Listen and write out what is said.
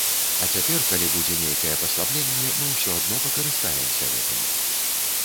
А цяпер, калі будзе нейкае паслабленне, мы ўсё адно пакарыстаемся гэтым.